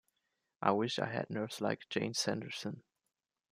I wish I had nerves like Jane Sanderson.